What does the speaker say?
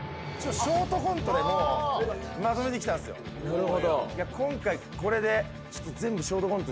なるほど。